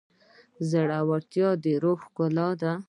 زړورتیا د روح ښکلا ده.